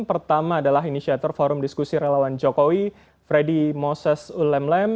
pertama adalah inisiator forum diskusi relawan jokowi freddy moses ulemlem